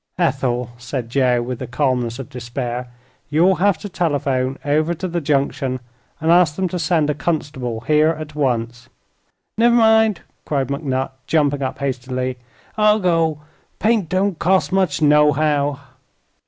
"Ethel," said Joe, with the calmness of despair, "you'll have to telephone over to the Junction and ask them to send a constable here at once." "Never mind," cried McNutt, jumping up hastily; "I'll go. Paint don't cost much, nohow."